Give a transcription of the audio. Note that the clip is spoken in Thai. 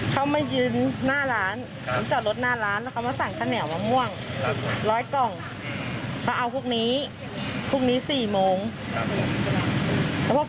เขามายืนหน้าร้านจัดรถหน้าร้านแล้วเขามาสั่งข้าวเหนียวมะม่วงครับ